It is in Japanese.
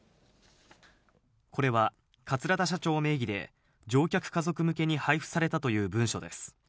これは、桂田社長名義で乗客家族向けに配布されたという文書です。